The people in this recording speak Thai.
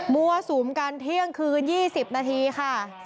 มั่วสุมกันเที่ยงคืน๒๐นาทีค่ะ